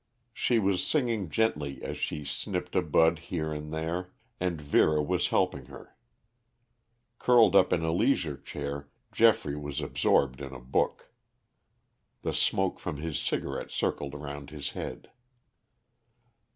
She was singing gently as she snipped a bud here and there, and Vera was helping her. Curled up in a leisure chair, Geoffrey was absorbed in a book. The smoke from his cigarette circled round his head.